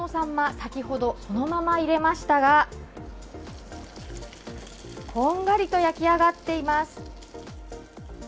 先ほどそのまま入れましたがこんがりと焼き上がっています。